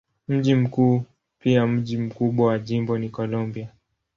Mji mkuu pia mji mkubwa wa jimbo ni Columbia.